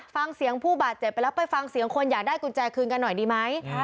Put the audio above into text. ฟังเสียงผู้บาดเจ็บไปแล้วไปฟังเสียงคนอยากได้กุญแจคืนกันหน่อยดีไหม